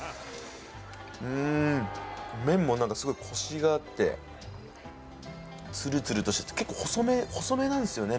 うん麺もなんかすごいコシがあってつるつるとしてて結構細めなんですよね